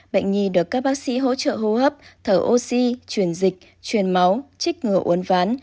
bệnh nhi được các bác sĩ hỗ trợ hô hấp thở oxy truyền dịch truyền máu trích ngừa uốn ván